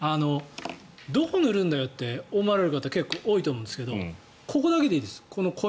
どこ塗るんだよって思われる方結構いると思うんですがここだけでいいです。